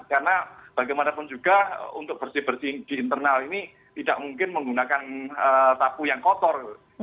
karena bagaimanapun juga untuk bersih bersih di internal ini tidak mungkin menggunakan tapu yang kotor